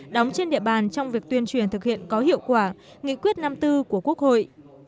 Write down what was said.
đóng trên địa bàn trong việc tuyên truyền thực hiện có hiệu quả nghị quyết năm tư của quốc hội